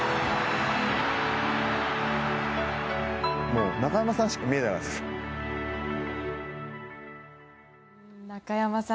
もう中山さんしか見えなかったっす。